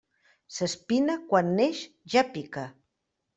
S'espina quan neix ja pica.